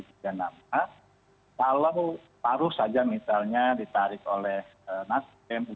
kalau taruh saja misalnya ditarik oleh nasdem